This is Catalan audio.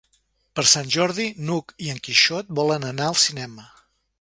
Per Sant Jordi n'Hug i en Quixot volen anar al cinema.